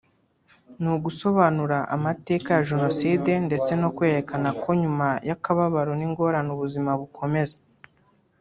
ni ugusobanura amateka ya Jenoside ndetse no kwerekana ko nyuma y’akababaro n’ingorane ubuzima bukomeza